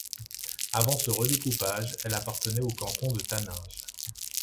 Avant ce redécoupage, elle appartenait au canton de Taninges.